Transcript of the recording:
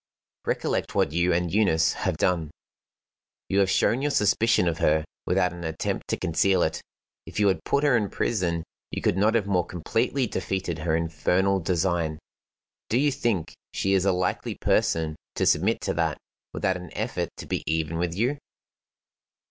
"Recollect what you and Eunice have done. You have shown your suspicion of her without an attempt to conceal it. If you had put her in prison you could not have more completely defeated her infernal design. Do you think she is a likely person to submit to that, without an effort to be even with you?"